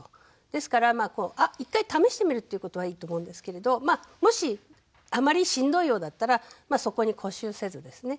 ですから１回試してみるっていうことはいいと思うんですけれどもしあんまりしんどいようだったらそこに固執せずですね